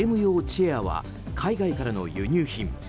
チェアは海外からの輸入品。